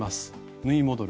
縫い戻る。